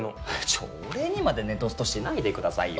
ちょっ俺にまでネトストしないでくださいよ。